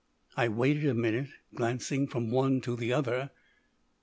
I waited a minute, glancing from one to the other.